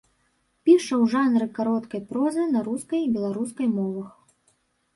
Піша ў жанры кароткай прозы на рускай і беларускай мовах.